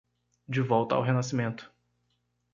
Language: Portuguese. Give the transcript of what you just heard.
De volta ao renascimento